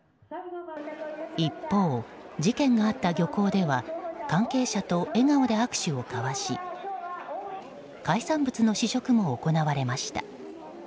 一方、事件があった漁港では関係者と笑顔で握手を交わし海産物の試食も行われました。